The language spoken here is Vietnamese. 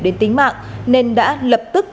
đến tính mạng nên đã lập tức